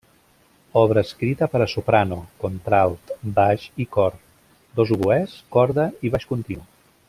Obra escrita per a soprano, contralt, baix i cor; dos oboès, corda i baix continu.